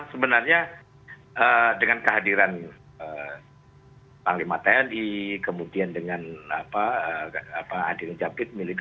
sebenarnya dengan kehadiran panglima tni kemudian dengan adil jabid milik